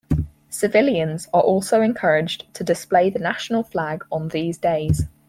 Civilians are also encouraged to display the national flag on these days.